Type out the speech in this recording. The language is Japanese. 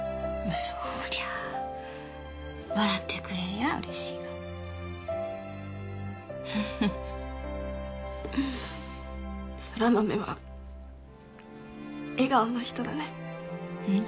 そりゃあ笑ってくれりゃ嬉しいがふふっ空豆は笑顔の人だねうん？